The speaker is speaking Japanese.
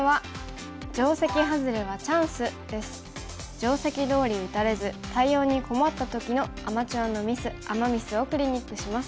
定石どおり打たれず対応に困った時のアマチュアのミスアマ・ミスをクリニックします。